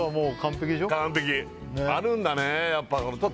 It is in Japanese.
あるんだね